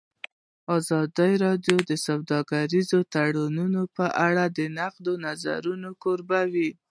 ازادي راډیو د سوداګریز تړونونه په اړه د نقدي نظرونو کوربه وه.